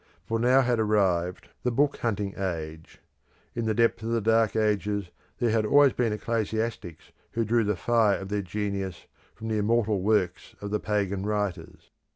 For now had arrived the book hunting age. In the depth of the Dark Ages there had always been ecclesiastics who drew the fire of their genius from the immortal works of the pagan writers.